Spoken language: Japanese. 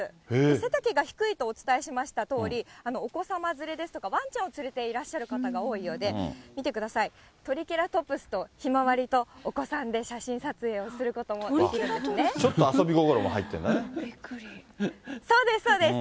背丈が低いとお伝えしましたとおり、お子様連れですとか、わんちゃんを連れていらっしゃる方が多いので、見てください、トリケラトプスとひまわりと、お子さんで写真撮影をすることもでちょっと遊び心も入ってるんそうです、そうです。